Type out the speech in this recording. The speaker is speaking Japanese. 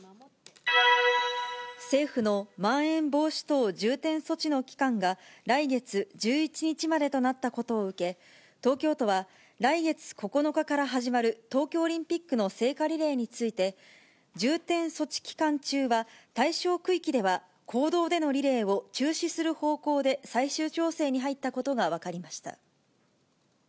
政府のまん延防止等重点措置の期間が来月１１日までとなったことを受け、東京都は来月９日から始まる東京オリンピックの聖火リレーについて、重点措置期間中は、対象区域では公道でのリレーを中止する方向で最終調整に入ったことが分かりました。